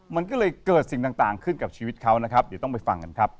มันก็เลยเกิดสิ่งต่างขึ้นกับชีวิตเขานะครับเดี๋ยวต้องไปฟังกันครับ